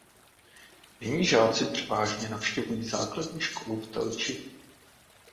Nyní žáci převážně navštěvují základní školu v Telči.